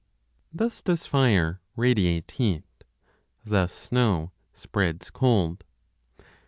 Thus does fire radiate heat; thus snow spreads cold.